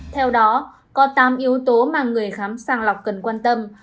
theo đó có tám yếu tố mà người khám sàng lọc cần quan tâm